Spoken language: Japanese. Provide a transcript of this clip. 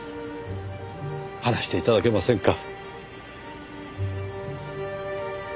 話して頂けませんか？